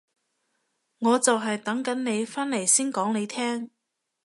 我就係等緊你返嚟先講你聽